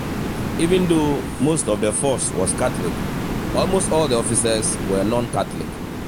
Even though most of the force was Catholic, almost all the officers were non-Catholic.